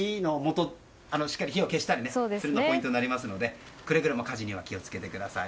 しっかり火を消したりするのがポイントになりますのでくれぐれも火事には気をつけてください。